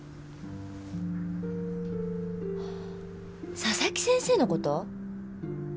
佐々木先生の事？